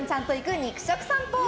肉食さんぽ。